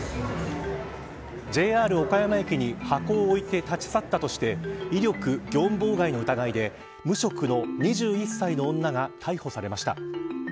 ＪＲ岡山駅に箱を置いて立ち去ったとして威力業務妨害の疑いで無職の２１歳の女が逮捕されました。